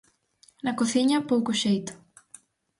Na cociña, pouco xeito.